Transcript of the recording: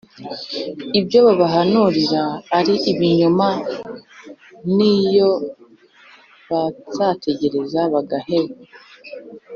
Ibyo babahanurira ari ibinyoma niyo bazategereza bagaheba